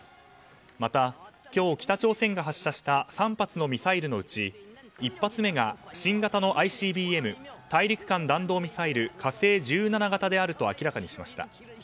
また今日、北朝鮮が発射した３発のミサイルのうち１発目が、新型のＩＣＢＭ・大陸間弾道ミサイル「火星１７型」であると明らかにしました。